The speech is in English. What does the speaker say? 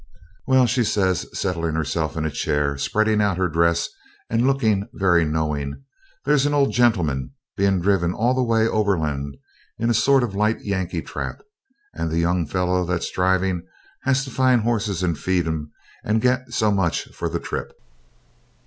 'Well,' says she, settling herself in a chair, spreading out her dress, and looking very knowing, 'there's an old gentleman being driven all the way overland in a sort of light Yankee trap, and the young fellow that's driving has to find horses and feed 'em, and get so much for the trip.'